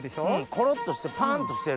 コロっとしてるパンとしてる。